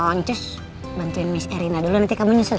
ancus bantuin miss erina dulu nanti kamu nyusul ya